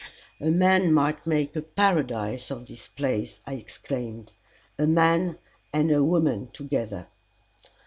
"A man might make a paradise of this place," I exclaimed. "A man and a woman together!"